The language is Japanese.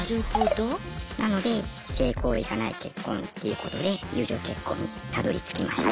なので性行為がない結婚っていうことで友情結婚にたどりつきました。